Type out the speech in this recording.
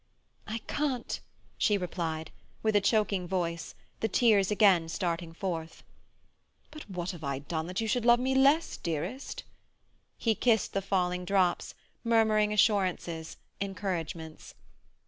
"I can't," she replied, with choking voice, the tears again starting forth. "But what have I done that you should love me less, dearest?" He kissed the falling drops, murmuring assurances, encouragements.